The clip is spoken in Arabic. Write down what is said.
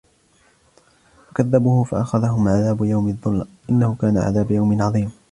فكذبوه فأخذهم عذاب يوم الظلة إنه كان عذاب يوم عظيم